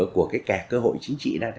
của cái kẻ cơ hội chính trị